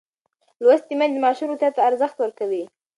لوستې میندې د ماشوم روغتیا ته ارزښت ورکوي.